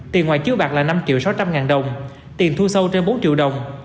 tiền ngoài chiếu bạc là năm sáu trăm linh ngàn đồng tiền thu sâu trên bốn triệu đồng